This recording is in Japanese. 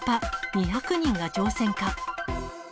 ２００人が乗船か。